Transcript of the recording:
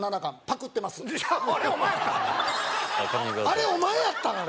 あれお前やったん？